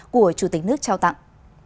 của chủ tịch nước trao tặng